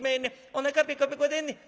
おなかペコペコでんねん。